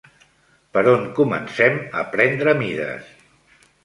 Per on comencem a prendre mides?